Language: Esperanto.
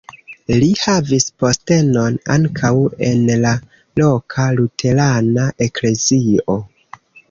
Li havis postenon ankaŭ en la loka luterana eklezio.